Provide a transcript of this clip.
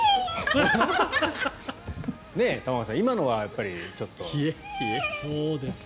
玉川さん、今のはちょっと。